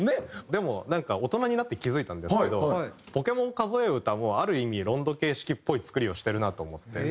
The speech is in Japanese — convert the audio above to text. でもなんか大人になって気付いたんですけど『ポケモンかぞえうた』もある意味ロンド形式っぽい作りをしてるなと思って。